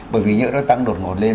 bởi vì như nó tăng đột ngột lên